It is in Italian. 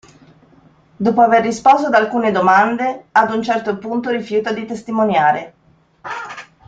Dopo aver risposto ad alcune domande, ad un certo punto rifiuta di testimoniare.